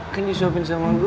kan disobain sama gue